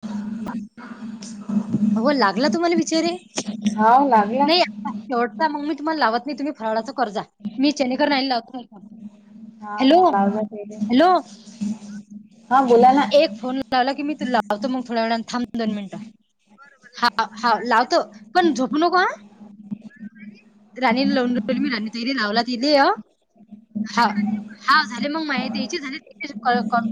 [inaudible] हव लागला तुम्हाला विचारे हाव लागला नाही. शेवटचा मग मी तुम्हाला लावत नाही तुम्ही फराळाचा कर्जा मी चेनेकर नाही लावतो. हा हॅलो हा लावला की, हॅलो हा बोला ना. एक फोन लावला कि मी तुला लावतो मग थोडा वेळा थांब दोन मिनटं. हा हा लावतो पण झोपु नको हा. राणी लावली मी राणी ताईला लावला तिले अ हा हा झाले मग माझे ते याचे पण झालेत कॉल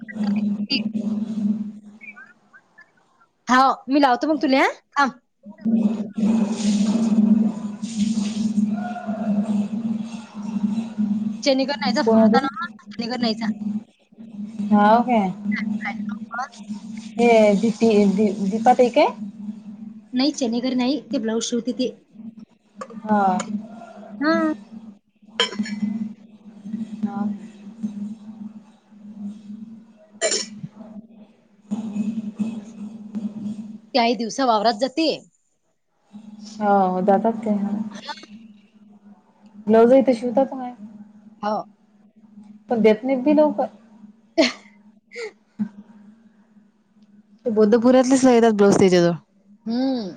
हाव मी लावतो मग तुले थांब. [inaudible] [unintelligible] चेनेकर नाहीयचा कोण फोन होता ना होते ग चेनीकर नाइचा. हो काय ये दीपी दीपा ताई काय? नाही चनेघर नाही ते ब्लाउज शिवते ते. हा. हा हा त्याही दिवसा वावरत जाते. हो हो जातात काय हा. ब्लाऊजा इथे शिवता चांग हो. पण देत नाहीत बी लवकर. [unintelligible] ते बद्धपुरातच राहिणात ब्लाऊज त्याच्यावळ हम्म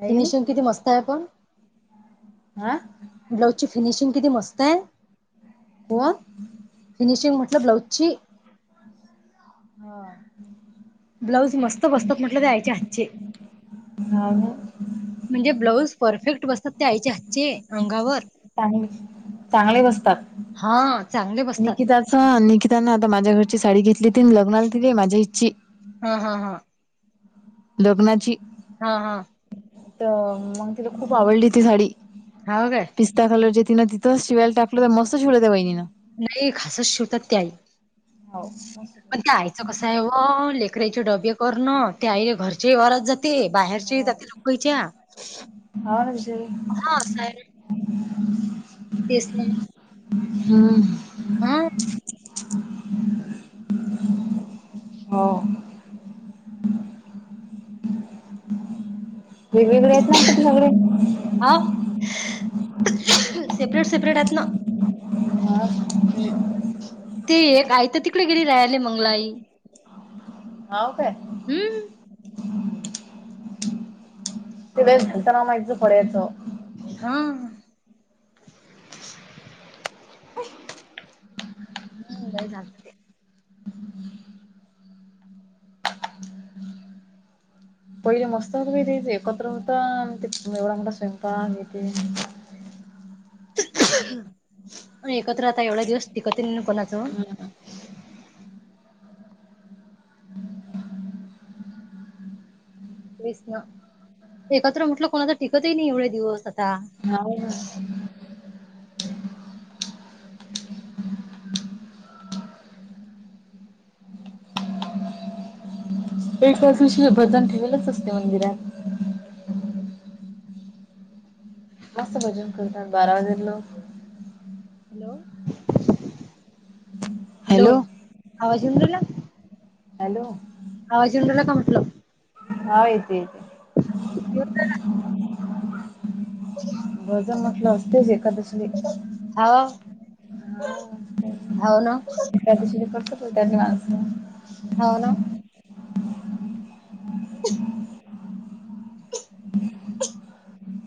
हाय की फिनिशिंग नाही किती मस्त आहे पण. आ? ब्लाऊजची फिनिशिंग किती मस्त आहे. कोण? फिनिशिंग म्हटलं ब्लाऊजची हा. ब्लाऊज मस्त बसतात म्हटलं त्या आईच्या हातचे. हो ना? म्हणजे ब्लाऊज परफेक्ट बसतात त्या आईचे हातचे अंगावर. आणि चांगले बसतात. हा चा निकिताचं निकितानं आता माझ्या घरची साडी घेतली ती लग्नाला तिने माझ्या इछी. हा, हा, हा. लग्नाची. हा, हा. तर मग तिला खूप आवडली ती साडी. हाव काय? पिस्ता खालवत जी तिनं तिथंच शिवायला टाकलं, तर मस्त शिवलं त्या वहिनीनं. नाही खासच शिवतात त्या आई. हो पण ते आईचं कसं आहे वो लेकरेचे डबे करणं ते आईले घरच्या वरात जात ते बाहेरचे हो हो जाते लोकयच्या ना विजय हा सा [unintelligible] तेच तर. हम्म. हम्म. हो. वेग वेगळे आहेत ना ते सगळे. हा. सेपरेट, सेपरेट हायंत ना. मग हम्म. ती एक आई तर तिकडे गेली राहिले मंगला आई. हाव काय? हम्म. तिला घेताना माहीत पडायचं. हा. हम्म. [unintelligible] झालं. पहिले मस्त होतं बाई ते एकत्र होत ते एवढा मोठा स्वयंपाक हे ते. एकत्र आता एवढा दिवस टिकतही नाही कोणाचं. तेच ना, एकत्र म्हटलं कोणाच टिकतही नाही एवढे दिवस. आता हाव ना. [inaudible] [inaudible] एक तासीशी भजन ठेवेलच असते मंदिरात. मस्त भजन करतात‌ बारा वाजे लोक हॅलो, हॅलो. आवाज येऊन राहिला? हॅलो. आवाज येऊन राहिला का म्हटलं? हा येतंय येतंय येऊन राहिला गज म्हटलं असतेच एकादसले. हाव हाव ना? [unintelligible] त्यांनी माझं. हो ना. [inaudible]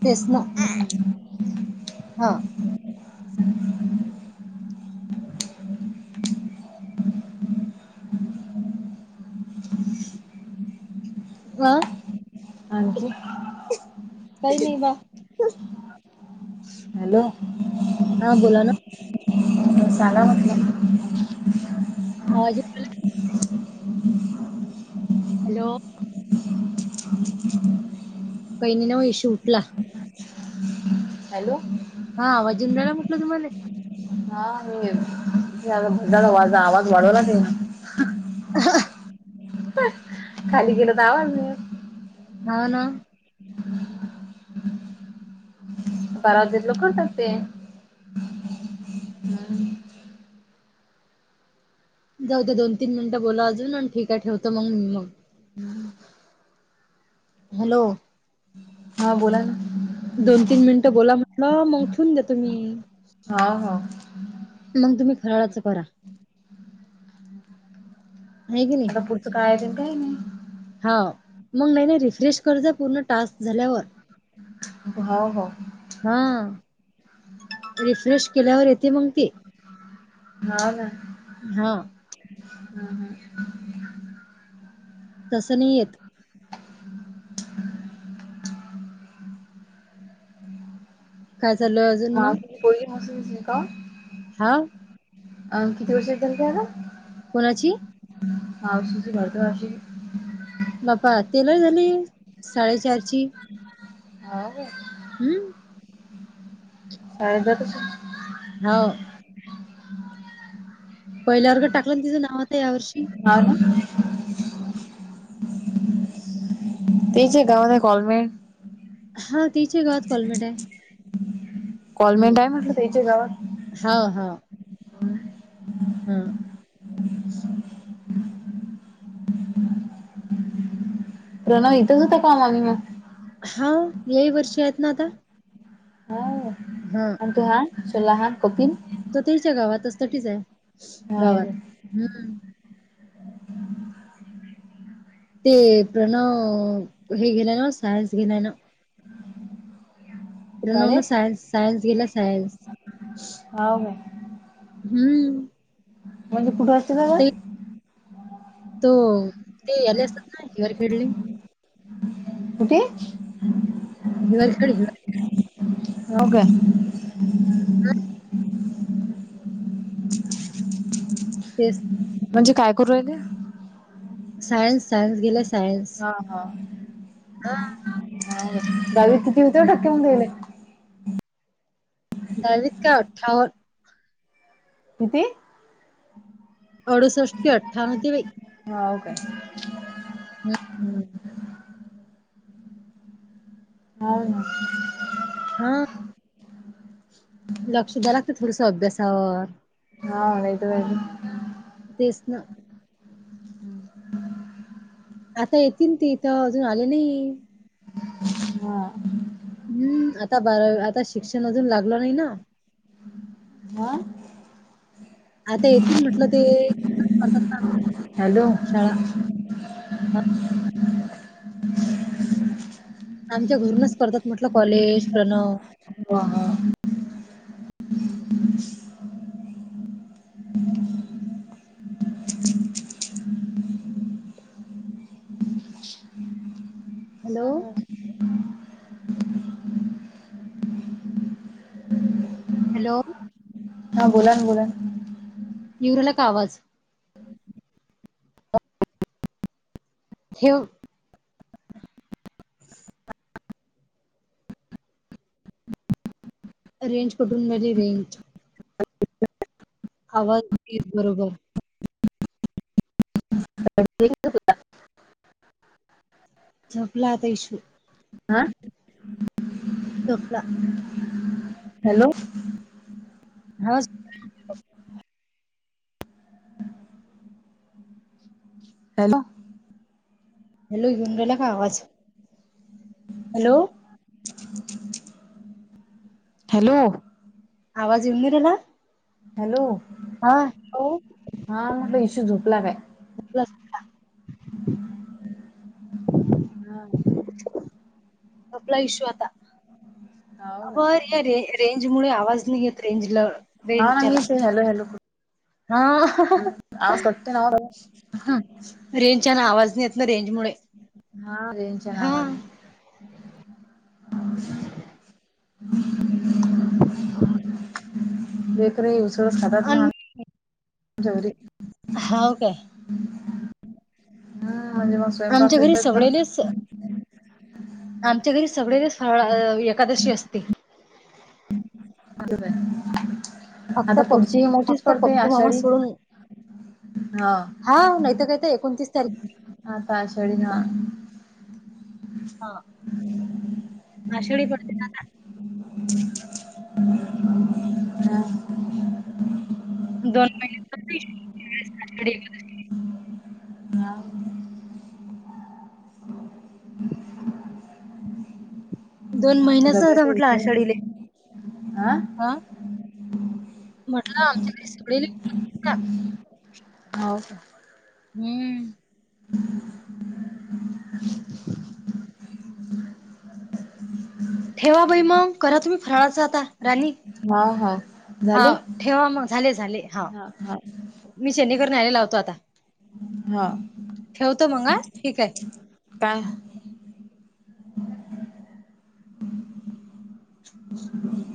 फेसन ह्या हा. वा आणखी का नी बा हॅलो हा बोला ना. कसला म्हटलं. आवाज येऊन राहिला? हॅलो काही नाही नाही होई शूटला हॅलो हा आवाज येऊन राहिला म्हटलं तुम्हाले? हा हे. बाज आवाज वाढवला की न अहं ह खाली गेलं का म्हण हा ना बराल करतात ते हम्म जाऊ दे दोन तीन मिनिटं बोला अजून आणि ठीक आहे ठेवतो मग म. हॅलो हा बोला ना. दोन तीन मिनिटं बोला म्हटलं मग ठेवून देतो म्ही. हा हा. मग तुम्ही फराळाचं करा. आहे की नाही आता पुढचं काय येतंय अन काय नई. हा मग नाही नाही रिफ्रेश कर जा पूर्ण टास्क झाल्यावर. हो हो. हा रिफ्रेश केल्यावर येते मग ते. हा ना. हा. हम्म हम्म. तस नी येत. काय झालं? हा ती पोरगी मस्त दिसली का. हा अ किती वर्षाच झाला आता? कोणाची आ सुझी वर्तळ अशी बपा ते लय झाली साडेचारची. हाव गे हम्म शाळेत जात का होव पहिल्या वर्गात टाकलं तिच नाव आता या वर्षी. आ ना तेचे गावान कॉलमेळ हा तिच्या गावात कॉलमेट आहे. हम्म कॉलमेंट आहे म्हटलं त्याच्या गावात. हाव हाव हा. प्रणव इथंच होता कामा नी मग हा यही वर्षी आहेत ना आता. हा. हा. तोहान छोलाहान कोपीन तर त्याच्या गावातच तच आहे हा गावात हम्म ते प्रणव हे गेलाय ना सायन्स घेण्यान नव्ह प्रणव न शाळेत सायन्स सायन्स घेतला सायन्स. हो बाई हम्म म्हणजे कुठं असेल का ग. ते तो ते याले असतात ना हेअर खेडलिंग कुठे? हिवाल कडे हिवाल. हो कायं? अन तेच म्हणजे काय करू राहिले? सायन्स सायन्स गेल सायन्स. हा हा ह गवी किती होती हं. टक्क्यांहून गेले. दहावीत काय अठ्ठाव किती? अडुसष्ट के अठ्ठाव ते वई. होव काय? हम्म हो ना. हा लक्ष द्याला लागत थोडस अभ्यासावर. हा हा होइथ व्हायलय तेच ना. आता येतील ते इथं अजून आले नाही. हा. हम्म आता बारा आता शिक्षण अजून लागलं नाही ना. हा? आता येतील म्हटलं ते करतात ना आमच्या हॅलो शाळा. हां, आमच्या घरूनच करतात म्हटलं कॉलेज प्रणव. वं हा हॅलो. सांग हॅलो. हा बोलान बोलान. येऊ राहिला का आवाज? ठेव [inaudible] रेंज कुठून [unintelligible] रेंज. आवाज येत बरोबर. [unintelligible] झोपला आता इशू. हा? झोपला. हॅलो होच हॅलो. हॅलो, येऊन राहिला का आवाज? हॅलो. [inaudible] हॅलो. आवाज येऊन गेलेला? हॅलो. हा. हा म्हटलं इशू झोपला काय? [inaudible] हा आपला इशू आता हो काय? होय रे रे रेंजमुळे आवाज नाही येत, रेंजला हा ना रेंजच्यानं. मीच हॅलो हॅलो. हा. आवाज कटते ना रेंज आहे ना आवाज नाही येत ना रेंज मुळे. हा रेनच्या नावानं. हम्म हम्म. ब [inaudible] बेकरी युसर्स खातात आणि म्हण जेवरी. हाव काय. हा म्हणजे मग स्वयंपाक आमच्या घरी फिरतच कानो सगळेलेच आमच्या घरी सगळेच फावडा अ एकादशी असते. [inaudible] फक्त आता पप् पुढची मोठीच फक्त पडतेय पप्पू मामा आषाढी. सोडून हो, हा नाहीतर काय तर एकोणतीस तारखे आता आषाढी नव्ह. हा आषाढी करते. [unintelligible] दोन मिन दोन महिन्याच होता म्हटलं आषाढीले [inaudible] आं. हा म्हटलं आमच्याकडे सगळे ली हाव का. हम्म. ह [inaudible] ठेवा बाई मग करा तुम्ही फराळाच आता. राणी हा हा हा झाले? ठेवा मग झाले झाले हा. मी शनी करूनं हाय आलवतो आता. हा, ठेवतो मग हा ठीक आहे काय? [inaudible]